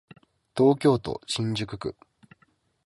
東京都新宿区